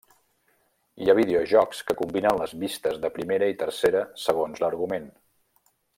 Hi ha videojocs que combinen les vistes de primera i tercera segons l'argument.